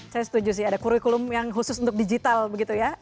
saya setuju sih ada kurikulum yang khusus untuk digital begitu ya